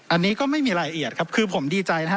อันนี้ก็ไม่มีรายละเอียดครับคือผมดีใจนะฮะ